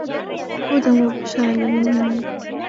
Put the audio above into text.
هُدًى وَبُشْرَى لِلْمُؤْمِنِينَ